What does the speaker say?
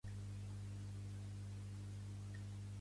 Qui compon els Tiranicides?